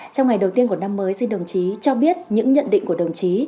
trong ngày đầu tiên của năm mới xin đồng chí cho biết những nhận định của đồng chí